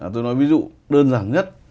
tôi nói ví dụ đơn giản nhất